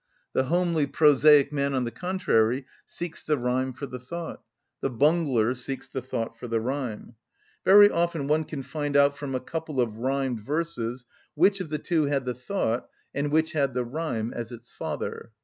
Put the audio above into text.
The homely, prosaic man on the contrary, seeks the rhyme for the thought; the bungler seeks the thought for the rhyme. Very often one can find out from a couple of rhymed verses which of the two had the thought and which had the rhyme as its father.